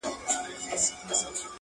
مړ يمه هغه وخت به تاته سجده وکړمه,